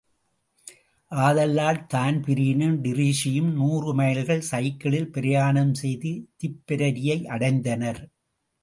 ஆதலால் தான்பிரீனும் டிரீஸியும் நூறுமைல்கள் சைக்கிளில் பிரயாணம் செய்து திப்பெரரியையடைந்தனர்.